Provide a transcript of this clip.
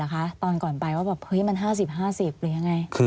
อันดับ๖๓๕จัดใช้วิจิตร